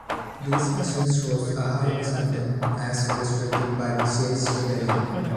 These measures rose a high discontent as illustrated by the shays rebellion.